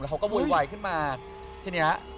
เขาก็โวยวายขึ้นมาทีนี้